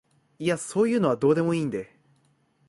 いやそういうのはどうでもいいんで